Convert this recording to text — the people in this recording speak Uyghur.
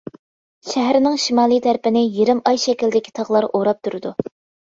شەھەرنىڭ شىمالىي تەرىپىنى يېرىم ئاي شەكىلدىكى تاغلار ئوراپ تۇرىدۇ.